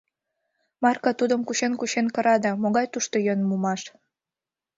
Марка тудым кучен-кучен кыра да, могай тушто йӧн мумаш?